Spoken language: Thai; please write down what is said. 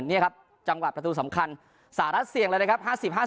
นี่ครับจังหวะประตูสำคัญสหรัฐเสี่ยงเลยนะครับ